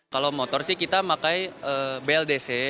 kalau motor sih kita pakai bldc